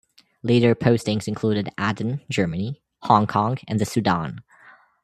Later postings included Aden, Germany, Hong Kong, and the Sudan.